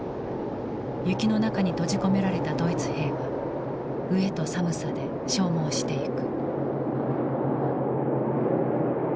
雪の中に閉じ込められたドイツ兵は飢えと寒さで消耗してゆく。